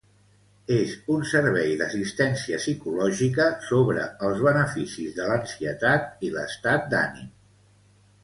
És un servei d'assistència psicològica sobre els beneficis de l'ansietat i l'estat d'ànim.